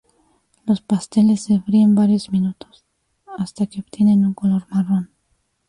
Los pasteles se fríen varios minutos hasta que obtienen un color marrón.